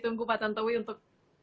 tunggu pak tantowi untuk